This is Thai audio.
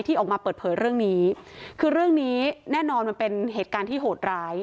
ออกมาเปิดเผยเรื่องนี้คือเรื่องนี้แน่นอนมันเป็นเหตุการณ์ที่โหดร้าย